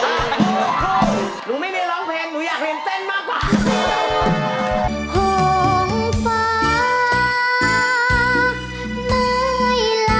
หนูไม่ได้ร้องเพลงหนูอยากเรียนเต้นมากกว่า